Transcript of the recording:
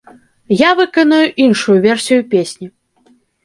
Я выканаю іншую версію песні.